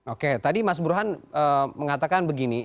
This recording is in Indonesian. oke tadi mas burhan mengatakan begini